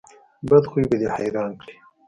بد خوی به دې حیران کړي.